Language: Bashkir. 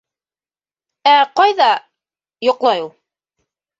Ә ҡайҙа... йоҡлай ул?